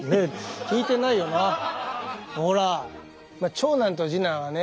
長男と次男はね